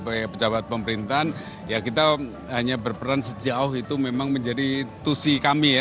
sebagai pejabat pemerintahan ya kita hanya berperan sejauh itu memang menjadi tusi kami ya